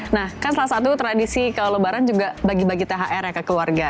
nah kan salah satu tradisi kalau lebaran juga bagi bagi thr ya ke keluarga